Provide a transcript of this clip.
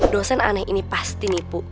dosen aneh ini pasti nipu